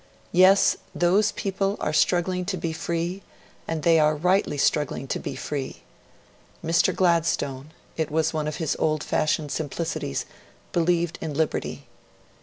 'Yes, those people are struggling to be free, and they are rightly struggling to be free.' Mr. Gladstone it was one of his old fashioned simplicities believed in liberty.